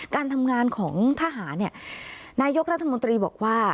การทำงานของทหารนายกรัฐมนตรีบอกว่า